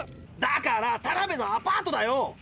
だからタナベのアパートだよ。